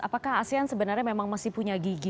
apakah asean sebenarnya memang masih punya gigi